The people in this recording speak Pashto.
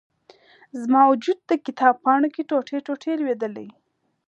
زما و جود، د کتاب پاڼو کې، ټوټي، ټوټي لویدلي